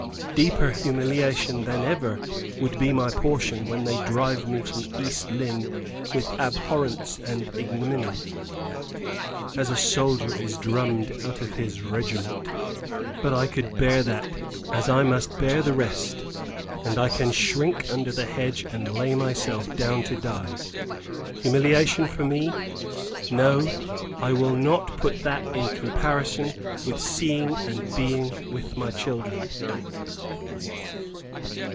Deeper humiliation than ever would be my portion when they drive me from East Lynne with abhorrence and ignominy, as a soldier is drummed out of his regiment; but I could bear that as I must bear the rest and I can shrink under the hedge and lay myself down to die. Humiliation for me? No; I will not put that in comparison with seeing and being with my children."